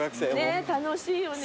ねえ楽しいよね。